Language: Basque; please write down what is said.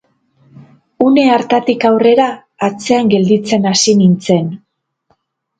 Une hartatik aurrera, atzean gelditzen hasi nintzen.